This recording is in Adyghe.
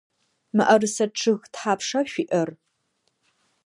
Мыӏэрысэ чъыг тхьапша шъуиӏэр?